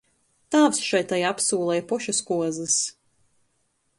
Tāvs šai tai apsūla i pošys kuozys.